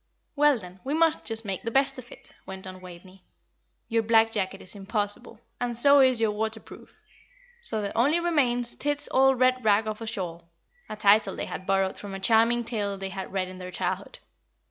"Well, then, we must just make the best of it," went on Waveney. "Your black jacket is impossible, and so is your waterproof. So there only remains 'Tid's old red rag of a shawl'" a title they had borrowed from a charming tale they had read in their childhood.